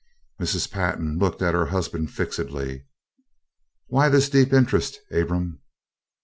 Mrs. Pantin looked at her husband fixedly: "Why this deep interest, Abram?"